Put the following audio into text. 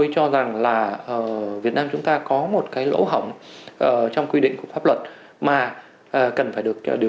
tôi cho rằng là việt nam chúng ta có một cái lỗ hỏng trong quy định của pháp luật mà cần phải được điều